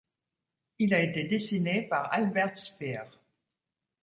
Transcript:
Il a été dessiné par Albert Speer.